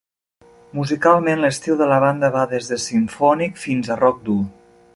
Musicalment, l'estil de la banda va des de simfònic fins a rock dur.